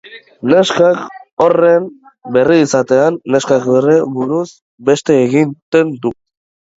Neskak, horren berri izatean, neskak bere buruaz beste egiten du.